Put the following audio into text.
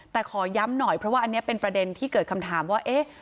แต่ขอย้ำหน่อยเพราะว่าอันนี้เป็นประเด็นที่เกิดคำถามว่าเอ๊ะ